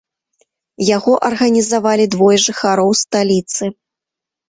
Яго арганізавалі двое жыхароў сталіцы.